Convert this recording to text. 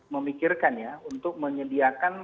memikirkan ya untuk menyediakan